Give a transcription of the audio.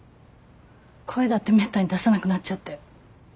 声だってめったに出さなくなっちゃって。